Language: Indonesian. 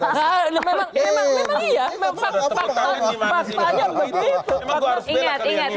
koalisi belum berat juga